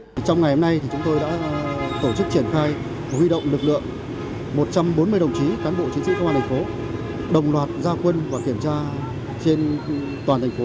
trong ngày hôm nay thì chúng tôi đã tổ chức triển khai huy động lực lượng một trăm bốn mươi đồng chí cán bộ chiến sĩ công an thành phố đồng loạt gia quân và kiểm tra trên toàn thành phố